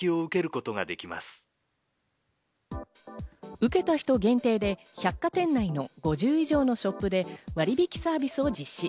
受けた人限定で百貨店内の５０以上のショップで割引サービスを実施。